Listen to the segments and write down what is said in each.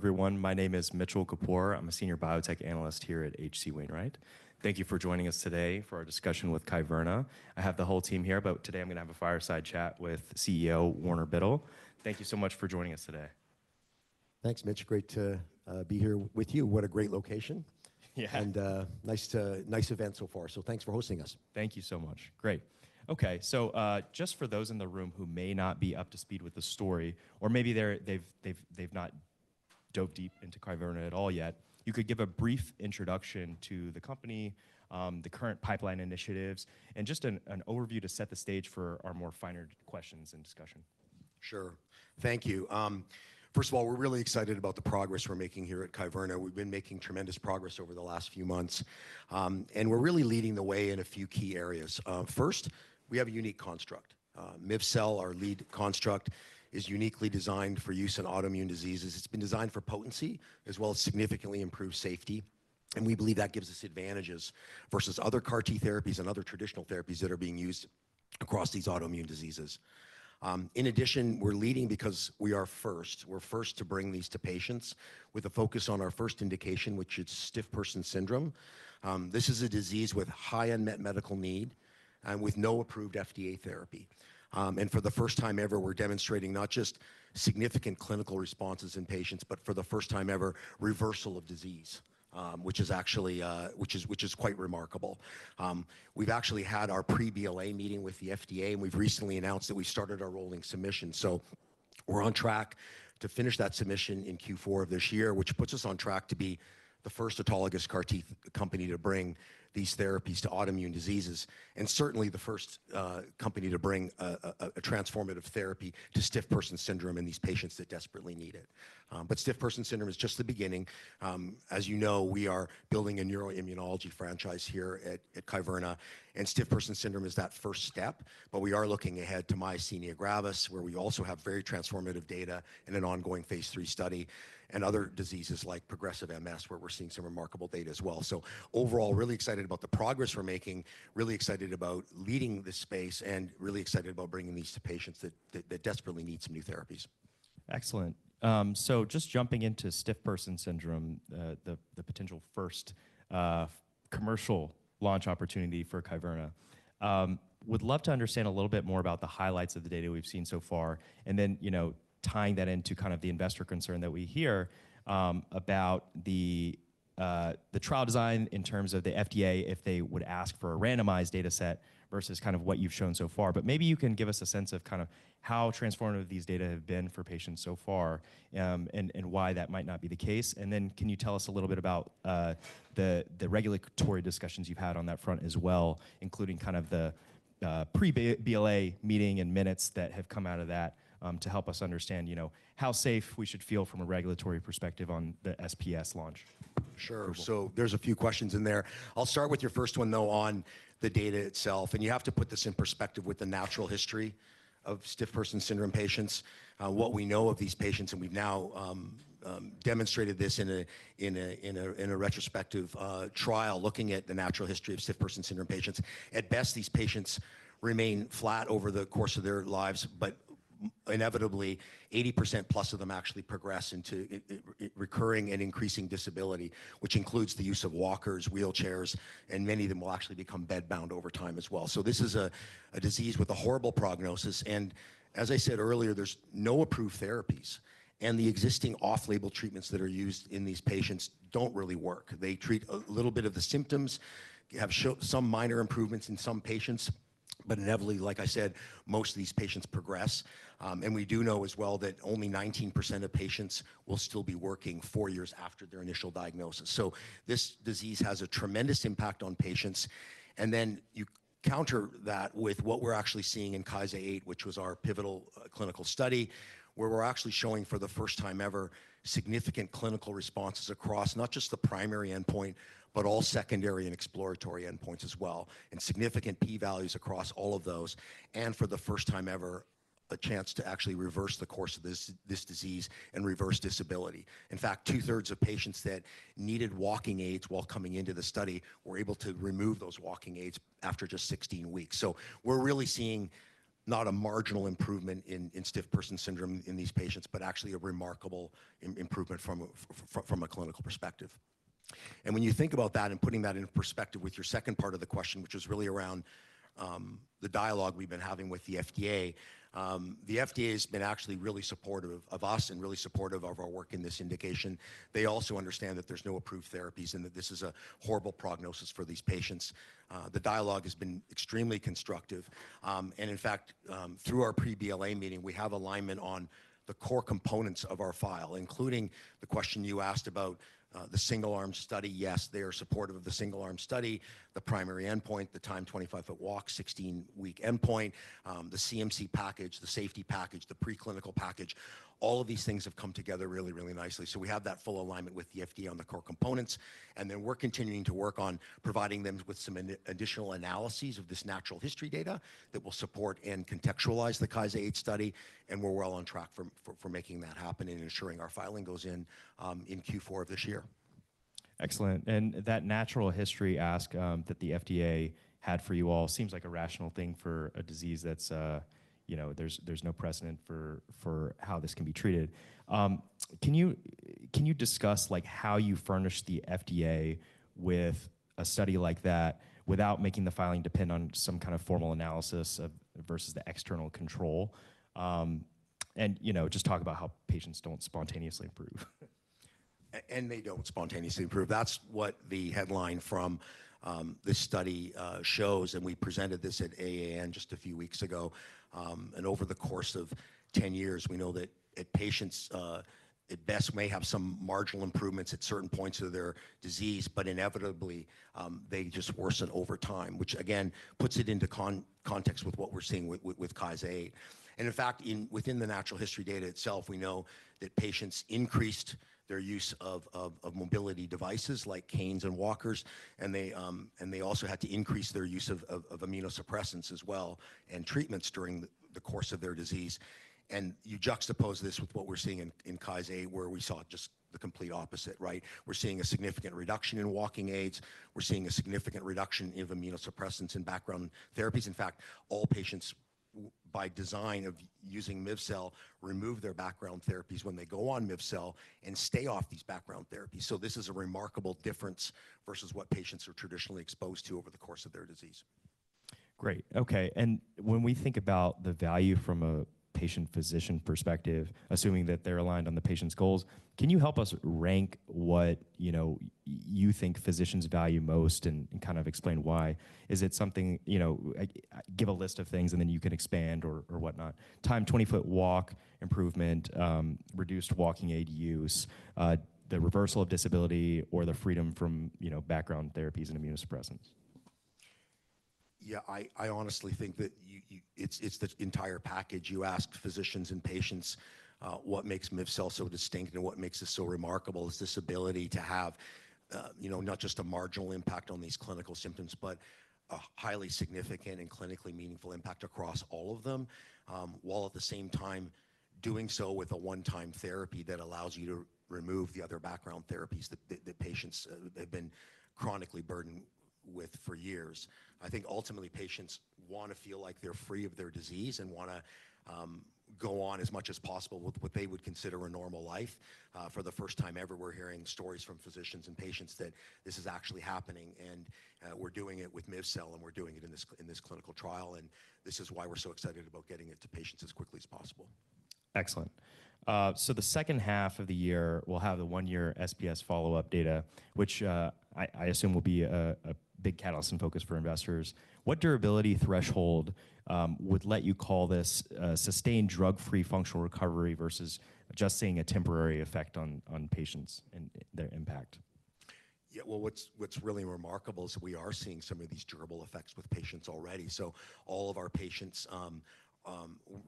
Hello, everyone. My name is Mitchell Kapoor. I'm a senior biotech analyst here at H.C. Wainwright. Thank you for joining us today for our discussion with Kyverna. I have the whole team here, but today I'm gonna have a fireside chat with CEO Warner Biddle. Thank you so much for joining us today. Thanks, Mitch. Great to be here with you. What a great location. Yeah. Nice event so far. Thanks for hosting us. Thank you so much. Great. Just for those in the room who may not be up to speed with the story, or maybe they've not dove deep into Kyverna at all yet, if you could give a brief introduction to the company, the current pipeline initiatives, and just an overview to set the stage for our more finer questions and discussion. Sure. Thank you. First of all, we're really excited about the progress we're making here at Kyverna. We've been making tremendous progress over the last few months. We're really leading the way in a few key areas. First, we have a unique construct. miv-cel, our lead construct, is uniquely designed for use in autoimmune diseases. It's been designed for potency as well as significantly improved safety, and we believe that gives us advantages versus other CAR-T therapies and other traditional therapies that are being used across these autoimmune diseases. In addition, we're leading because we are first. We're first to bring these to patients with a focus on our first indication, which is Stiff Person Syndrome. This is a disease with high unmet medical need and with no approved FDA therapy. For the first time ever, we're demonstrating not just significant clinical responses in patients, but for the first time ever, reversal of disease, which is quite remarkable. We've actually had our pre-BLA meeting with the FDA, we've recently announced that we started our rolling submission. We're on track to finish that submission in Q4 of this year, which puts us on track to be the first autologous CAR-T company to bring these therapies to autoimmune diseases, and certainly the first company to bring a transformative therapy to Stiff Person Syndrome in these patients that desperately need it. Stiff Person Syndrome is just the beginning. As you know, we are building a neuroimmunology franchise here at Kyverna, Stiff Person Syndrome is that first step. We are looking ahead to myasthenia gravis, where we also have very transformative data in an ongoing phase III study, and other diseases like progressive MS, where we're seeing some remarkable data as well. Overall, really excited about the progress we're making, really excited about leading this space, and really excited about bringing these to patients that desperately need some new therapies. Excellent. Just jumping into Stiff Person Syndrome, the potential first commercial launch opportunity for Kyverna, would love to understand a little bit more about the highlights of the data we've seen so far, and then, you know, tying that into kind of the investor concern that we hear about the trial design in terms of the FDA, if they would ask for a randomized data set versus kind of what you've shown so far. Maybe you can give us a sense of kinda how transformative these data have been for patients so far, and why that might not be the case. Can you tell us a little bit about the regulatory discussions you've had on that front as well, including kind of the pre-BLA meeting and minutes that have come out of that, to help us understand, you know, how safe we should feel from a regulatory perspective on the SPS launch. Sure. Approval. There's a few questions in there. I'll start with your first one, though, on the data itself, and you have to put this in perspective with the natural history of Stiff Person Syndrome patients, what we know of these patients, and we've now demonstrated this in a retrospective trial looking at the natural history of Stiff Person Syndrome patients. At best, these patients remain flat over the course of their lives, but inevitably, 80%+ of them actually progress into recurring and increasing disability, which includes the use of walkers, wheelchairs, and many of them will actually become bed-bound over time as well. This is a disease with a horrible prognosis, and as I said earlier, there's no approved therapies. The existing off-label treatments that are used in these patients don't really work. They treat a little bit of the symptoms, have show some minor improvements in some patients, but inevitably, like I said, most of these patients progress. We do know as well that only 19% of patients will still be working four years after their initial diagnosis. This disease has a tremendous impact on patients, then you counter that with what we're actually seeing in KYSA-8, which was our pivotal clinical study, where we're actually showing for the first time ever significant clinical responses across not just the primary endpoint, but all secondary and exploratory endpoints as well, and significant P values across all of those. For the first time ever, a chance to actually reverse the course of this disease and reverse disability. In fact, two-thirds of patients that needed walking aids while coming into the study were able to remove those walking aids after just 16 weeks. We're really seeing not a marginal improvement in Stiff Person Syndrome in these patients, but actually a remarkable improvement from a clinical perspective. When you think about that and putting that into perspective with your second part of the question, which is really around the dialogue we've been having with the FDA, the FDA's been actually really supportive of us and really supportive of our work in this indication. They also understand that there's no approved therapies and that this is a horrible prognosis for these patients. The dialogue has been extremely constructive. In fact, through our pre-BLA meeting, we have alignment on the core components of our file, including the question you asked about the single arm study. Yes, they are supportive of the single arm study, the primary endpoint, the timed 25-foot walk, 16-week endpoint, the CMC package, the safety package, the preclinical package. All of these things have come together really, really nicely. We have that full alignment with the FDA on the core components, and then we're continuing to work on providing them with some additional analyses of this natural history data that will support and contextualize the KYSA-8 study, and we're well on track for making that happen and ensuring our filing goes in Q4 of this year. Excellent. That natural history ask that the FDA had for you all seems like a rational thing for a disease that's, you know, there's no precedent for how this can be treated. Can you discuss like how you furnish the FDA with a study like that without making the filing depend on some kind of formal analysis of, versus the external control? You know, just talk about how patients don't spontaneously improve. They don't spontaneously improve. That's what the headline from the study shows. We presented this at AAN just a few weeks ago. Over the course of 10 years, we know that patients at best may have some marginal improvements at certain points of their disease. Inevitably, they just worsen over time, which again puts it into context with what we're seeing with KYSA-8. In fact, within the natural history data itself, we know that patients increased their use of mobility devices like canes and walkers. They also had to increase their use of immunosuppressants as well, and treatments during the course of their disease. You juxtapose this with what we're seeing in KYSA-8, where we saw just the complete opposite. We're seeing a significant reduction in walking aids. We're seeing a significant reduction in immunosuppressants and background therapies. In fact, all patients by design of using miv-cel remove their background therapies when they go on miv-cel and stay off these background therapies. This is a remarkable difference versus what patients are traditionally exposed to over the course of their disease. Great. Okay. When we think about the value from a patient-physician perspective, assuming that they're aligned on the patient's goals, can you help us rank what, you know, you think physicians value most and kind of explain why? Is it something, you know, Give a list of things, and then you can expand or whatnot. Timed 25-foot walk improvement, reduced walking aid use, the reversal of disability or the freedom from, you know, background therapies and immunosuppressants. Yeah. I honestly think that you it's the entire package. You ask physicians and patients what makes miv-cel so distinct and what makes this so remarkable is this ability to have, you know, not just a marginal impact on these clinical symptoms, but a highly significant and clinically meaningful impact across all of them, while at the same time doing so with a one-time therapy that allows you to remove the other background therapies that patients have been chronically burdened with for years. I think ultimately patients wanna feel like they're free of their disease and wanna go on as much as possible with what they would consider a normal life. For the first time ever, we're hearing stories from physicians and patients that this is actually happening, and we're doing it with miv-cel, and we're doing it in this clinical trial. This is why we're so excited about getting it to patients as quickly as possible. Excellent. The second half of the year, we'll have the one-year SPS follow-up data, which I assume will be a big catalyst and focus for investors. What durability threshold would let you call this a sustained drug-free functional recovery versus just seeing a temporary effect on patients and their impact? What's really remarkable is we are seeing some of these durable effects with patients already. All of our patients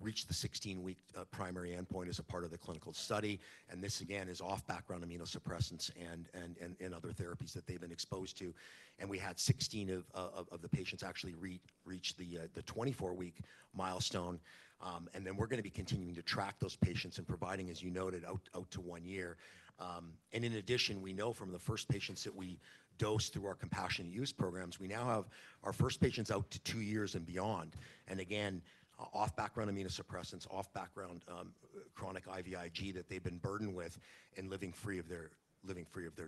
reached the 16-week primary endpoint as a part of the clinical study, and this, again, is off background immunosuppressants and other therapies that they've been exposed to. We had 16 of the patients actually re-reach the 24-week milestone. We're gonna be continuing to track those patients and providing, as you noted, out to one year. In addition, we know from the first patients that we dosed through our compassionate use programs, we now have our first patients out to two years and beyond. Again, off background immunosuppressants, off background chronic IVIG that they've been burdened with and living free of their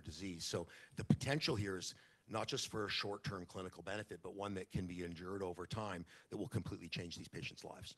disease. The potential here is not just for a short-term clinical benefit, but one that can be endured over time that will completely change these patients' lives.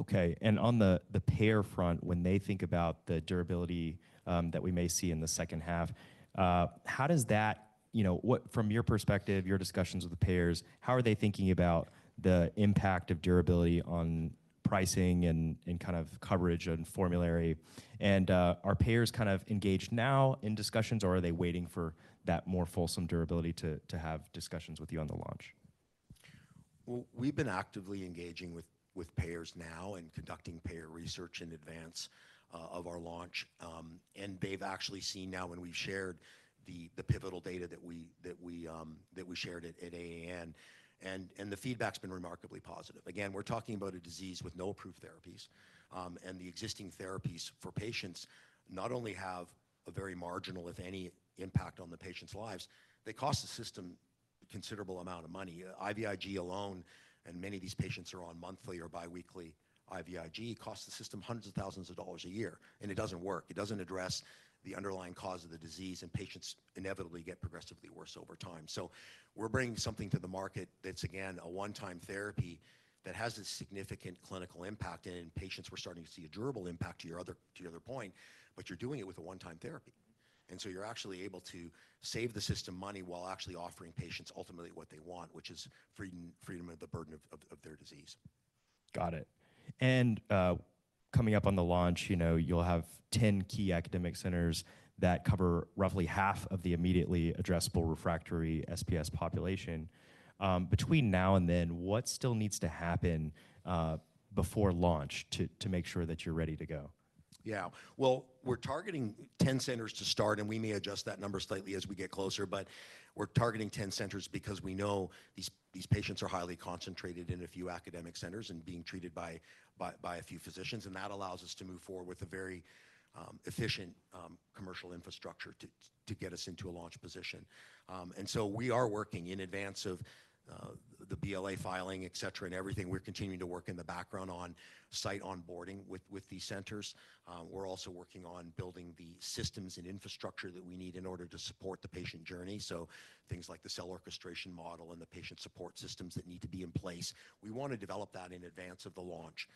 Okay. On the payer front, when they think about the durability that we may see in the second half, how does that You know, from your perspective, your discussions with the payers, how are they thinking about the impact of durability on pricing and kind of coverage and formulary? Are payers kind of engaged now in discussions, or are they waiting for that more fulsome durability to have discussions with you on the launch? Well, we've been actively engaging with payers now and conducting payer research in advance of our launch. They've actually seen now when we've shared the pivotal data that we shared at AAN, and the feedback's been remarkably positive. Again, we're talking about a disease with no approved therapies, and the existing therapies for patients not only have a very marginal, if any, impact on the patients' lives, they cost the system considerable amount of money. IVIG alone, and many of these patients are on monthly or biweekly IVIG, costs the system hundreds of thousands of dollars a year, it doesn't work. It doesn't address the underlying cause of the disease, patients inevitably get progressively worse over time. We're bringing something to the market that's, again, a one-time therapy that has a significant clinical impact. In patients, we're starting to see a durable impact to your other point, but you're doing it with a one-time therapy. You're actually able to save the system money while actually offering patients ultimately what they want, which is freedom of the burden of their disease. Got it. Coming up on the launch, you know, you'll have 10 key academic centers that cover roughly half of the immediately addressable refractory SPS population. Between now and then, what still needs to happen before launch to make sure that you're ready to go? Well, we're targeting 10 centers to start. We may adjust that number slightly as we get closer. We're targeting 10 centers because we know these patients are highly concentrated in a few academic centers and being treated by a few physicians, and that allows us to move forward with a very efficient commercial infrastructure to get us into a launch position. We are working in advance of the BLA filing, et cetera, and everything. We're continuing to work in the background on site onboarding with these centers. We're also working on building the systems and infrastructure that we need in order to support the patient journey, so things like the cell orchestration model and the patient support systems that need to be in place. We wanna develop that in advance of the launch.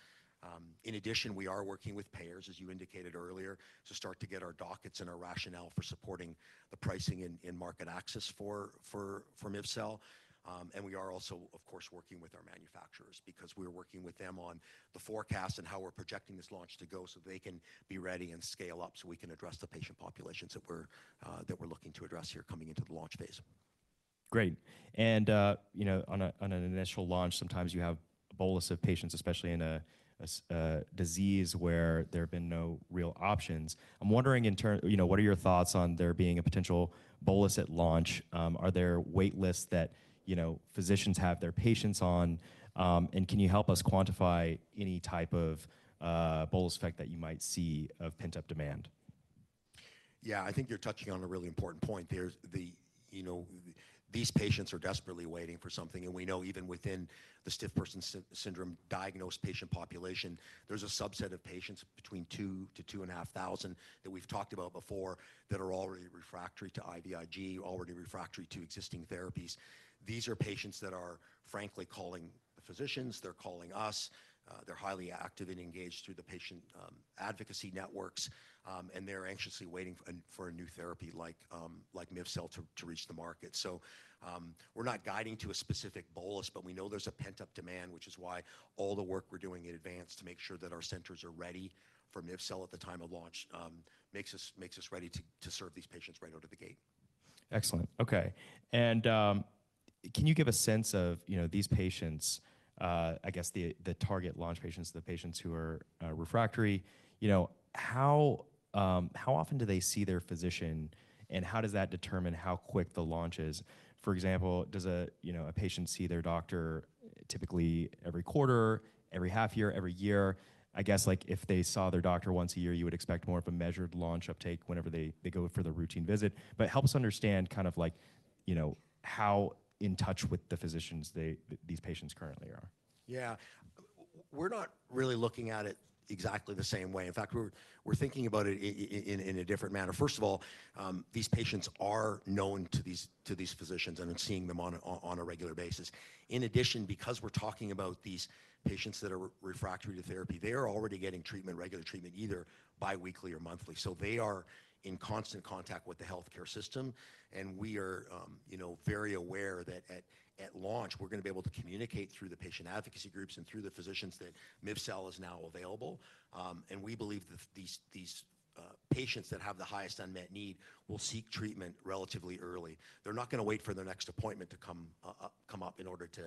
In addition, we are working with payers, as you indicated earlier, to start to get our dockets and our rationale for supporting the pricing and market access for miv-cel. We are also, of course, working with our manufacturers because we're working with them on the forecast and how we're projecting this launch to go so they can be ready and scale up, so we can address the patient populations that we're looking to address here coming into the launch phase. Great. You know, on an initial launch, sometimes you have a bolus of patients, especially in a disease where there have been no real options. I'm wondering You know, what are your thoughts on there being a potential bolus at launch? Are there wait lists that, you know, physicians have their patients on? Can you help us quantify any type of bolus effect that you might see of pent-up demand? Yeah. I think you're touching on a really important point. You know, these patients are desperately waiting for something, and we know even within the Stiff Person Syndrome diagnosed patient population, there's a subset of patients between 2,000-2,500 that we've talked about before that are already refractory to IVIG, already refractory to existing therapies. These are patients that are frankly calling physicians. They're calling us. They're highly active and engaged through the patient advocacy networks, and they're anxiously waiting for a new therapy like miv-cel to reach the market. We're not guiding to a specific bolus, but we know there's a pent-up demand, which is why all the work we're doing in advance to make sure that our centers are ready for miv-cel at the time of launch, makes us ready to serve these patients right out of the gate. Excellent. Okay. Can you give a sense of, you know, these patients, I guess the target launch patients, the patients who are refractory. You know, how often do they see their physician, and how does that determine how quick the launch is? For example, does a patient see their doctor typically every quarter, every half year, every year? I guess, like, if they saw their doctor once a year, you would expect more of a measured launch uptake whenever they go for their routine visit. Help us understand kind of like, you know, how in touch with the physicians these patients currently are. Yeah. We're not really looking at it exactly the same way. In fact, we're thinking about it in a different manner. First of all, these patients are known to these physicians and are seeing them on a regular basis. In addition, because we're talking about these patients that are refractory to therapy, they are already getting treatment, regular treatment, either biweekly or monthly. They are in constant contact with the healthcare system, and we are, you know, very aware that at launch, we're gonna be able to communicate through the patient advocacy groups and through the physicians that miv-cel is now available. We believe that these patients that have the highest unmet need will seek treatment relatively early. They're not gonna wait for their next appointment to come up in order to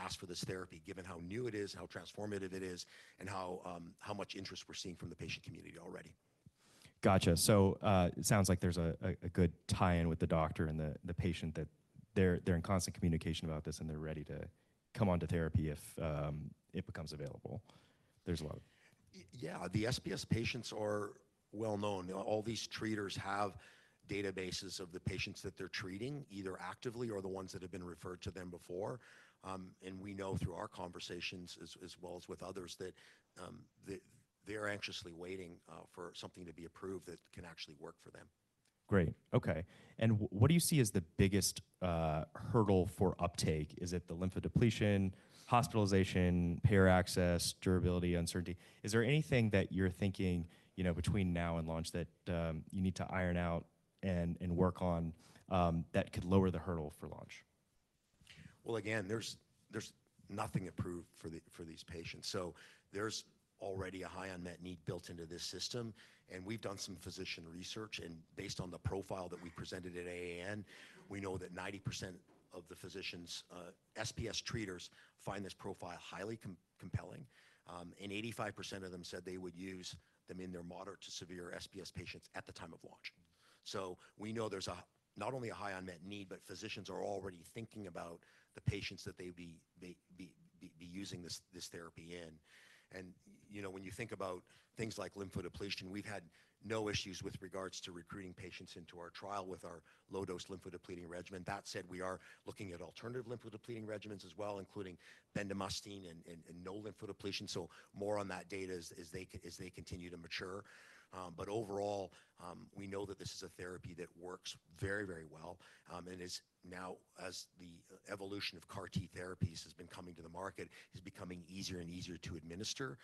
ask for this therapy, given how new it is, how transformative it is, and how much interest we're seeing from the patient community already. Gotcha. It sounds like there's a good tie-in with the doctor and the patient that they're in constant communication about this, and they're ready to come onto therapy if it becomes available. Yeah. The SPS patients are well-known. All these treaters have databases of the patients that they're treating, either actively or the ones that have been referred to them before. We know through our conversations as well as with others, that they're anxiously waiting for something to be approved that can actually work for them. Great. Okay. What do you see as the biggest hurdle for uptake? Is it the lymphodepletion, hospitalization, payer access, durability, uncertainty? Is there anything that you're thinking, you know, between now and launch that you need to iron out and work on that could lower the hurdle for launch? Well, again, there's nothing approved for these patients. There's already a high unmet need built into this system, and we've done some physician research, and based on the profile that we presented at AAN, we know that 90% of the physicians, SPS treaters find this profile highly compelling. 85% of them said they would use them in their moderate to severe SPS patients at the time of launch. We know there's not only a high unmet need, but physicians are already thinking about the patients that they'd be using this therapy in. You know, when you think about things like lymphodepletion, we've had no issues with regards to recruiting patients into our trial with our low-dose lymphodepleting regimen. That said, we are looking at alternative lymphodepleting regimens as well, including bendamustine and no lymphodepletion, so more on that data as they continue to mature. Overall, we know that this is a therapy that works very, very well, and is now, as the evolution of CAR-T therapies has been coming to the market, is becoming easier and easier to administer.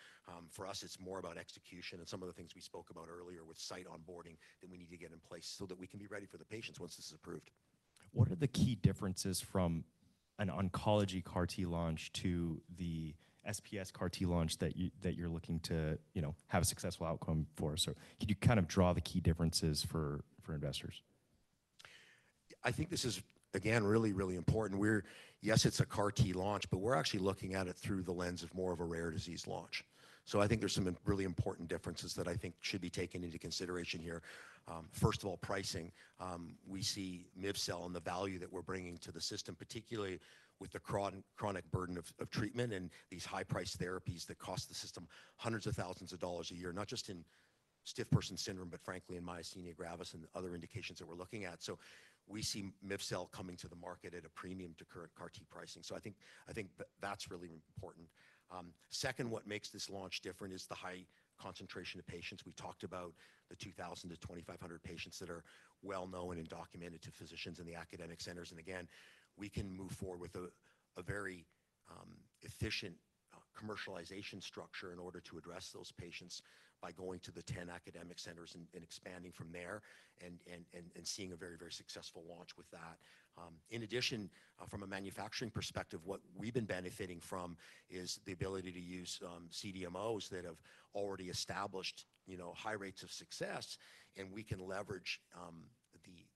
For us, it's more about execution and some of the things we spoke about earlier with site onboarding that we need to get in place so that we can be ready for the patients once this is approved. What are the key differences from an oncology CAR-T launch to the SPS CAR-T launch that you're looking to, you know, have a successful outcome for? Can you kind of draw the key differences for investors? I think this is, again, really, really important. Yes, it's a CAR-T launch, but we're actually looking at it through the lens of more of a rare disease launch. I think there's some really important differences that I think should be taken into consideration here. First of all, pricing. We see miv-cel and the value that we're bringing to the system, particularly with the chronic burden of treatment and these high-priced therapies that cost the system hundreds of thousands of dollars a year, not just in Stiff Person Syndrome, but frankly, in myasthenia gravis and other indications that we're looking at. We see miv-cel coming to the market at a premium to current CAR-T pricing. I think that's really important. Second, what makes this launch different is the high concentration of patients. We talked about the 2,000-2,500 patients that are well-known and documented to physicians in the academic centers. Again, we can move forward with a very efficient commercialization structure in order to address those patients by going to the 10 academic centers and expanding from there and seeing a very successful launch with that. In addition, from a manufacturing perspective, what we've been benefiting from is the ability to use CDMOs that have already established, you know, high rates of success, and we can leverage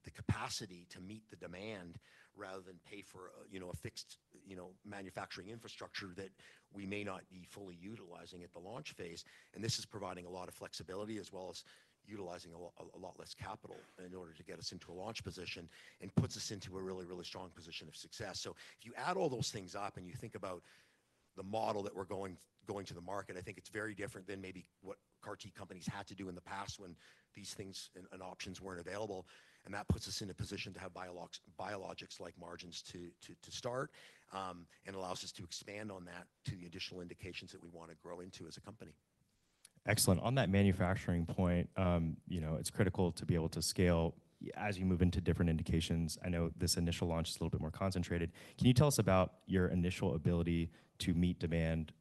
the capacity to meet the demand rather than pay for, you know, a fixed, you know, manufacturing infrastructure that we may not be fully utilizing at the launch phase. This is providing a lot of flexibility, as well as utilizing a lot less capital in order to get us into a launch position and puts us into a really, really strong position of success. If you add all those things up and you think about the model that we're going to the market, I think it's very different than maybe what CAR-T companies had to do in the past when these things and options weren't available. That puts us in a position to have biologics-like margins to start and allows us to expand on that to the additional indications that we wanna grow into as a company. Excellent. On that manufacturing point, you know, it's critical to be able to scale as you move into different indications. I know this initial launch is a little bit more concentrated. Can you tell us about your initial ability to meet demand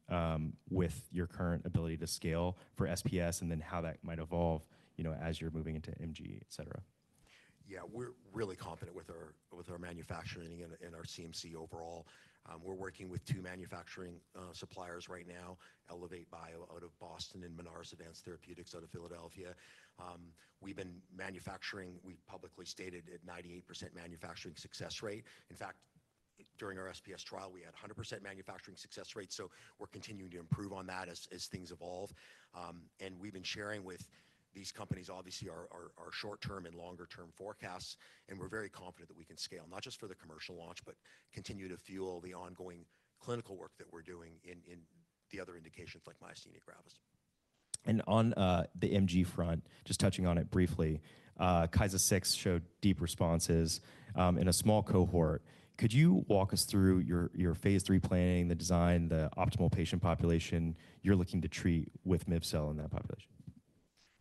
with your current ability to scale for SPS and then how that might evolve, as you're moving into MG, et cetera? Yeah. We're really confident with our manufacturing and our CMC overall. We're working with two manufacturing suppliers right now, ElevateBio out of Boston and Minaris Advanced Therapies out of Philadelphia. We've been manufacturing, we publicly stated, at 98% manufacturing success rate. In fact, during our SPS trial, we had a 100% manufacturing success rate. We're continuing to improve on that as things evolve. We've been sharing with these companies, obviously, our short-term and longer-term forecasts, and we're very confident that we can scale, not just for the commercial launch, but continue to fuel the ongoing clinical work that we're doing in the other indications like myasthenia gravis. On the MG front, just touching on it briefly, KYSA-6 showed deep responses in a small cohort. Could you walk us through your phase III planning, the design, the optimal patient population you're looking to treat with miv-cel in that population?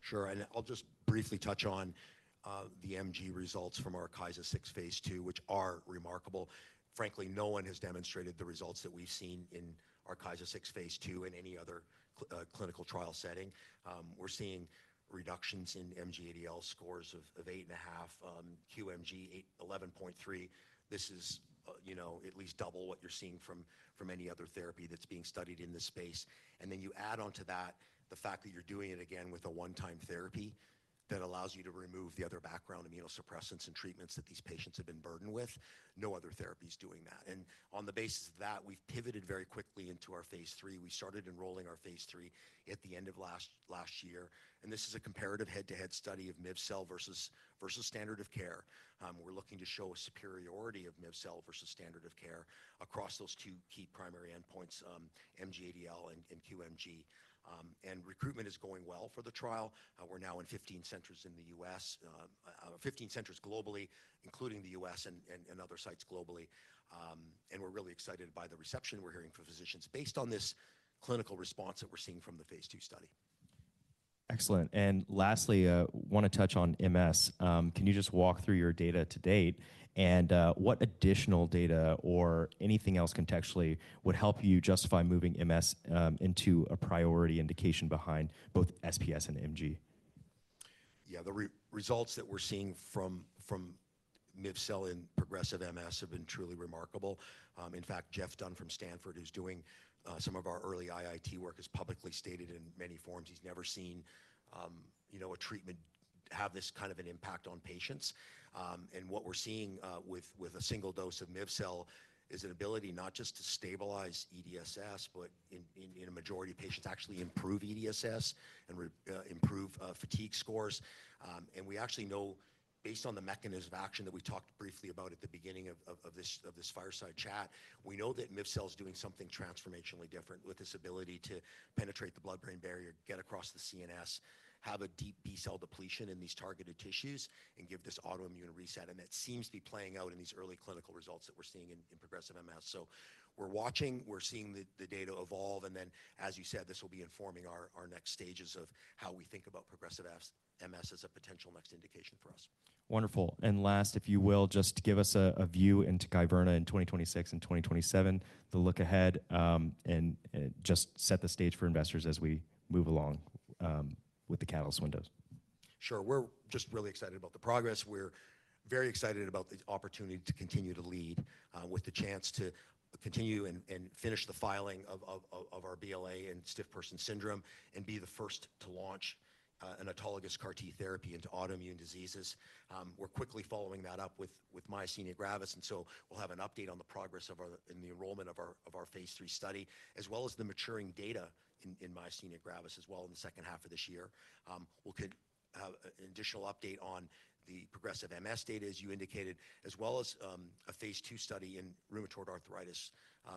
Sure. I'll just briefly touch on the MG results from our KYSA-6 phase II, which are remarkable. Frankly, no one has demonstrated the results that we've seen in our KYSA-6 phase II in any other clinical trial setting. We're seeing reductions in MG-ADL scores of 8.5, QMG 11.3. This is, you know, at least double what you're seeing from any other therapy that's being studied in this space. Then you add onto that the fact that you're doing it again with a one-time therapy that allows you to remove the other background immunosuppressants and treatments that these patients have been burdened with. No other therapy's doing that. On the basis of that, we've pivoted very quickly into our phase III. We started enrolling our phase III at the end of last year, this is a comparative head-to-head study of miv-cel versus standard of care. We're looking to show a superiority of miv-cel versus standard of care across those two key primary endpoints, MG-ADL and QMG. Recruitment is going well for the trial. We're now in 15 centers in the U.S., 15 centers globally, including the U.S. and other sites globally. We're really excited by the reception we're hearing from physicians based on this clinical response that we're seeing from the phase II study. Excellent. Lastly, wanna touch on MS. Can you just walk through your data to date, and what additional data or anything else contextually would help you justify moving MS into a priority indication behind both SPS and MG? Yeah. The results that we're seeing from miv-cel in progressive MS have been truly remarkable. In fact, Jeffrey Dunn from Stanford University, who's doing some of our early IIT work, has publicly stated in many forums he's never seen, you know, a treatment have this kind of an impact on patients. What we're seeing with a single dose of miv-cel is an ability not just to stabilize EDSS, but in a majority of patients, actually improve EDSS and improve fatigue scores. We actually know based on the mechanism of action that we talked briefly about at the beginning of this fireside chat, we know that miv-cel's doing something transformationally different with this ability to penetrate the blood-brain barrier, get across the CNS, have a deep B-cell depletion in these targeted tissues, and give this autoimmune reset. It seems to be playing out in these early clinical results that we're seeing in progressive MS. We're watching, we're seeing the data evolve. As you said, this will be informing our next stages of how we think about progressive MS as a potential next indication for us. Wonderful. Last, if you will, just give us a view into Kyverna in 2026 and 2027, the look ahead, and just set the stage for investors as we move along with the catalyst windows. Sure. We're just really excited about the progress. We're very excited about the opportunity to continue to lead with the chance to continue and finish the filing of our BLA in Stiff Person Syndrome and be the first to launch an autologous CAR-T therapy into autoimmune diseases. We're quickly following that up with myasthenia gravis. We'll have an update on the progress of our enrollment of our phase III study, as well as the maturing data in myasthenia gravis as well in the second half of this year. We'll have an additional update on the progressive MS data, as you indicated, as well as a phase II study in rheumatoid arthritis,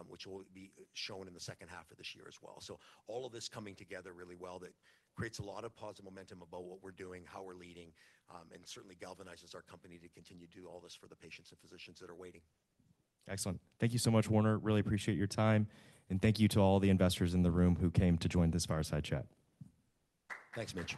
which will be shown in the second half of this year as well. All of this coming together really well, that creates a lot of positive momentum about what we're doing, how we're leading, and certainly galvanizes our company to continue to do all this for the patients and physicians that are waiting. Excellent. Thank you so much, Warner. Really appreciate your time, and thank you to all the investors in the room who came to join this fireside chat. Thanks, Mitch.